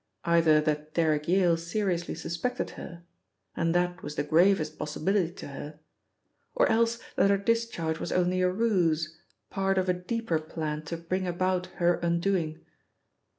Either that Derrick Yale seriously suspected her and that was the gravest possibility to her or else that her discharge was only a ruse, part of a deeper plan to bring about her undoing.